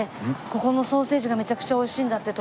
ここのソーセージがめちゃくちゃ美味しいんだって